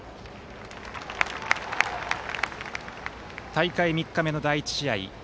大会３日目の第１試合